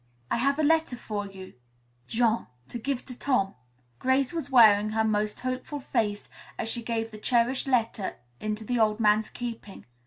"I have a letter for you, Jean, to give to Tom." Grace was wearing her most hopeful face as she gave the cherished letter into the old man's keeping.